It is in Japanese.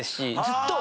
ずっと。